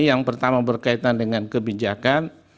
yang pertama berkaitan dengan kebijakan